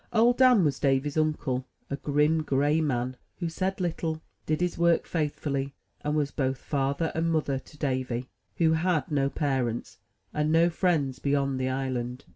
Old Dan was Davy^s uncle, — a grim, gray man, who said little, did his work faithfully, and was both father and mother to Davy, who had no parents, and no friends beyond the island.